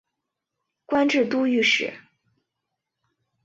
官至都御史。